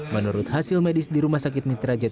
menurut hasil medis di rumah sakit